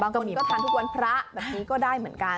บางทีก็ทานทุกวันพระแบบนี้ก็ได้เหมือนกัน